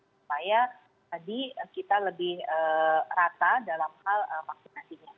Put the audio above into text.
supaya tadi kita lebih rata dalam hal vaksinasinya